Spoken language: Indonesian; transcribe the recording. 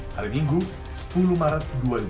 hari minggu sepuluh maret dua ribu dua puluh